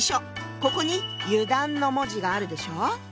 ここに「油断」の文字があるでしょう？